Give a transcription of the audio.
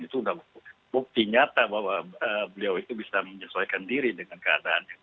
itu sudah bukti nyata bahwa beliau itu bisa menyesuaikan diri dengan keadaan yang